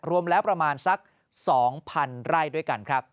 รวมแล้วประมาณสัก๒๐๐๐ไร่ด้วยกันครับ